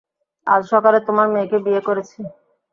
আজ সকালে তোমার মেয়েকে বিয়ে করেছি।